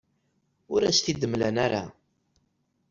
Ur as-t-id-mlan ara.